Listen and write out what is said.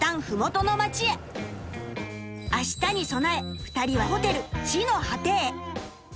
［あしたに備え２人はホテル地の涯へ］